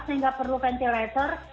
sehingga perlu ventilator